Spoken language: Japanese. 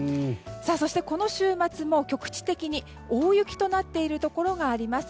そしてこの週末も局地的に大雪となっているところがあります。